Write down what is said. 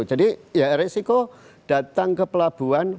jadi ya resiko datang ke pelabuhan